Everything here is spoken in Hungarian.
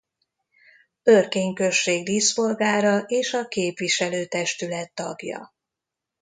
Örkény község díszpolgára és a képviselőtestület tagja.